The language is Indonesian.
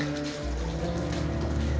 pusat penyebaran islam di jawa